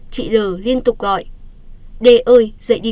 chị n t l liên tục gọi